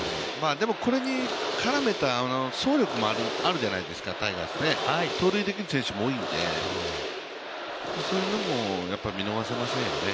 これに絡めた総力もあるじゃないですか、タイガースね盗塁できる選手も多いので、そういう部分も見逃せませんよね。